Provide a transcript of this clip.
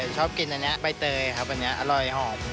ชอบกินอันนี้ใบเตยครับอันนี้อร่อยหอม